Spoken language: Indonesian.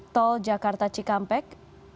tol jakarta cikampek